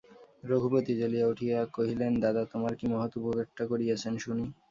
রঘুপতি জ্বলিয়া উঠিয়া কহিলেন, দাদা তোমার কী মহৎ উপকারটা করিয়াছেন শুনি।